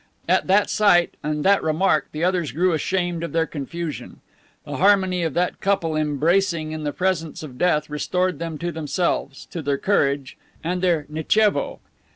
At that sight and that remark the others grew ashamed of their confusion. The harmony of that couple embracing in the presence of death restored them to themselves, to their courage, and their "Nitchevo."